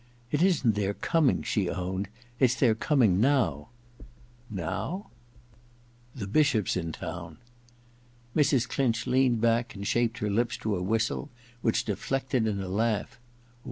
*It isn't their coming,* she owned — *it*s their coming • Now ?;* The Bishop's in town.* Mrs. Clinch leaned back and shaped her lips to a whistie which deflected in a laugh.